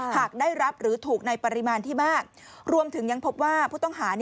หากได้รับหรือถูกในปริมาณที่มากรวมถึงยังพบว่าผู้ต้องหา